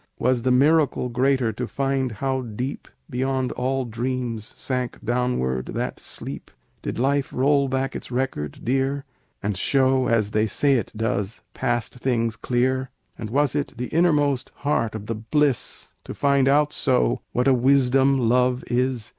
"Was the miracle greater to find how deep Beyond all dreams sank downward that sleep? "Did life roll back its record dear, And show, as they say it does, past things clear? "And was it the innermost heart of the bliss To find out so, what a wisdom love is?